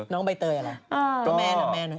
น้องใบเต๋ยแบบอะไร